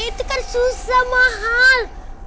itu kan susah mahal